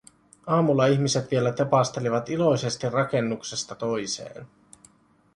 Aamulla ihmiset vielä tepastelivat iloisesti rakennuksesta toiseen.